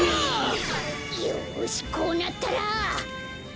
よしこうなったら。